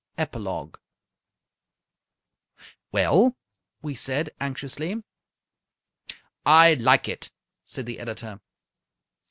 EPILOGUE "Well?" we said, anxiously. "I like it," said the editor.